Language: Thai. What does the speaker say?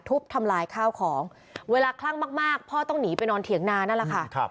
ทุบทำลายข้าวของเวลาคลั่งมากพ่อต้องหนีไปนอนเถียงนานั่นแหละค่ะ